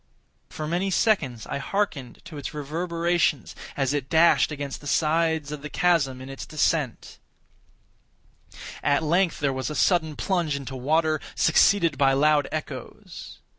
For many seconds I hearkened to its reverberations as it dashed against the sides of the chasm in its descent; at length there was a sullen plunge into water, succeeded by loud echoes.